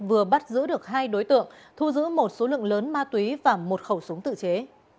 vừa bắt giữ được hai đối tượng thu giữ một số lượng lớn ma túy và một khẩu súng tự chế